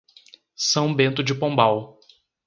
São Bento de Pombal